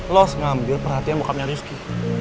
lo harus ngambil perhatian bokapnya rizky